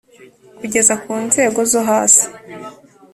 kugeza ku nzego zo hasi.